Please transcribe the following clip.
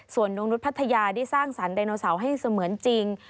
ส่วนนงนุษย์พัทยาได้สร้างสรรคไดโนเสาร์ให้เสมือนจริง